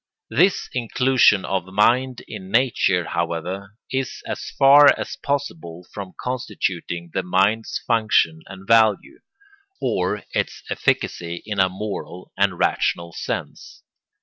] This inclusion of mind in nature, however, is as far as possible from constituting the mind's function and value, or its efficacy in a moral and rational sense.